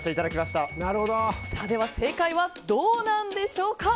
では正解はどうなんでしょうか？